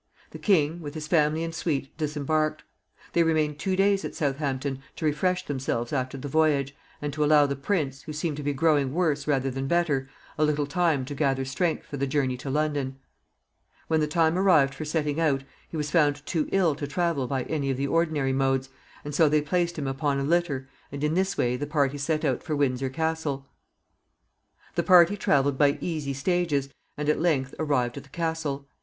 The king, with his family and suite, disembarked. They remained two days at Southampton to refresh themselves after the voyage, and to allow the prince, who seemed to be growing worse rather than better, a little time to gather strength for the journey to London. When the time arrived for setting out, he was found too ill to travel by any of the ordinary modes, and so they placed him upon a litter, and in this way the party set out for Windsor Castle. The party traveled by easy stages, and at length arrived at the castle.